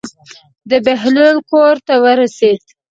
د بهلول کور ته ورسېد.